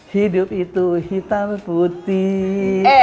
hidup itu hitam putih